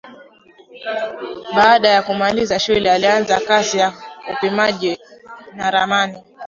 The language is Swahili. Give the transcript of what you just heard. Baada ya kumaliza shule alianza kazi ya upimaji na ramani